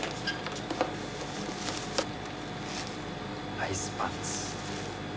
アイスパンツ。